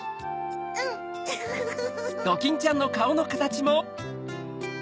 うんフフフ！